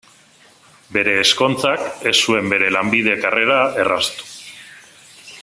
Bere ezkontzak ez zuen bere lanbide-karrera erraztu.